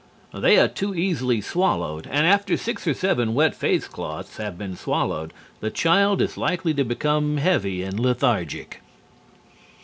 _ They are too easily swallowed, and after six or seven wet face cloths have been swallowed, the child is likely to become heavy and lethargic.